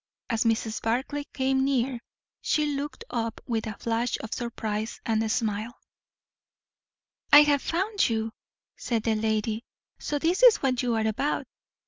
As Mrs. Barclay came near, she looked up with a flash of surprise and a smile. "I have found you," said the lady. "So this is what you are about!"